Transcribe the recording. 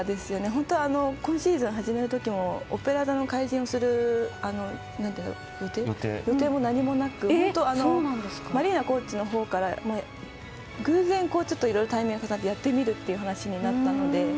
本当に今シーズンが始まる時も「オペラ座の怪人」をする予定も何もなくてマリーナコーチのほうから偶然、いろいろタイミングが重なってやってみるという話になったので。